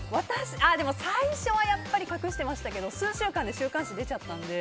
でも、最初はやっぱり隠していましたけど数週間で週刊誌出ちゃったので。